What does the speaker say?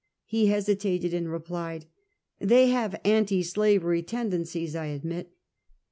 He hesitated, and replied: "They have anti slavery tendencies, I admit."